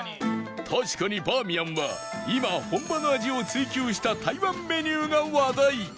確かにバーミヤンは今本場の味を追求した台湾メニューが話題